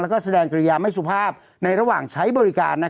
แล้วก็แสดงกิริยาไม่สุภาพในระหว่างใช้บริการ